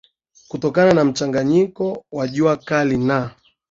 kutokana na mchanganyiko wa jua kali na